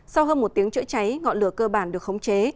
sau hơn một tiếng chữa cháy ngọn lửa cơ bản được khống chế